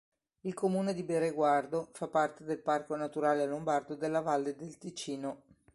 Il Comune di Bereguardo fa parte del Parco naturale lombardo della Valle del Ticino.